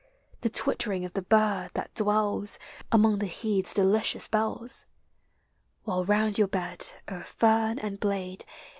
The twittering of the bird thai dwells Among the heath's delicious bells? While round your bed, o'er fern and blade.